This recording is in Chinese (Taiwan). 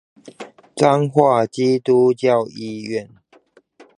彰化基督教醫院